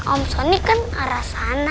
om sony kan arah sana